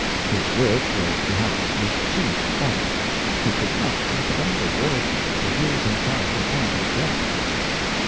His wit was perhaps his chief fault ; he could not keep it under, or refuse himself a pointed jest.